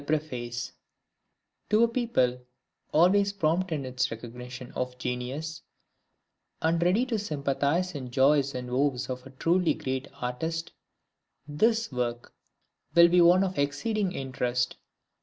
M.W.C. PREFACE To a people, always prompt in its recognition of genius, and ready to sympathize in the joys and woes of a truly great artist, this work will be one of exceeding interest.